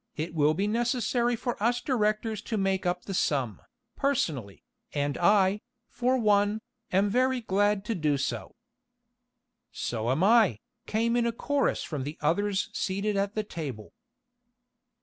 It will be necessary for us directors to make up the sum, personally, and I, for one, am very glad to do so." "So am I," came in a chorus from the others seated at the table.